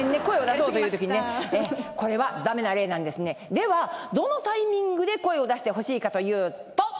ではどのタイミングで声を出してほしいかというと。